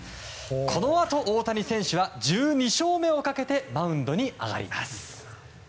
このあと大谷選手は１２勝目をかけてマウンドに上がります。